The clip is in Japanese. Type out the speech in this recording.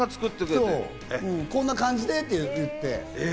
こんな感じでって言って。